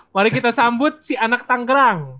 mari kita sambut si anak tanggerang